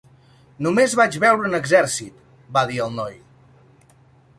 "Només vaig veure un exèrcit", va dir el noi.